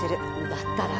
だったら。